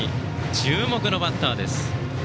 注目のバッターです。